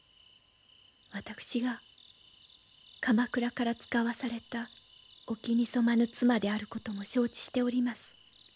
私が鎌倉から遣わされたお気に染まぬ妻であることも承知しております。